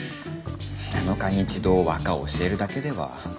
７日に一度和歌を教えるだけでは。